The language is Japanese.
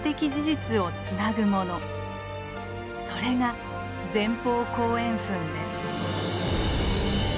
それが前方後円墳です。